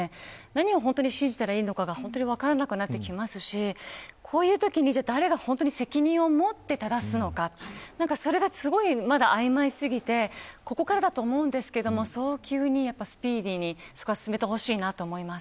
何を支持したらいいのか分からなくなってきますしこういうときに誰が責任をもって正すのかそれがすごい曖昧すぎてここからだと思うんですけれども早急にスピーディに、そこは進めてほしいなと思います。